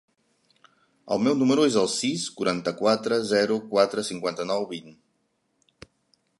El meu número es el sis, quaranta-quatre, zero, quatre, cinquanta-nou, vint.